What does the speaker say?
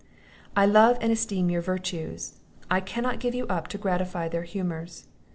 I love and esteem your virtues: I cannot give you up to gratify their humours.